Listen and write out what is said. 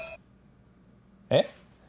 えっ？